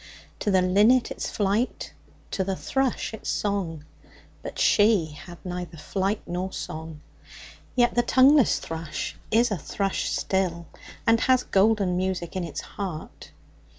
To the linnet its flight, to the thrush its song; but she had neither flight nor song. Yet the tongueless thrush is a thrush still, and has golden music in its heart.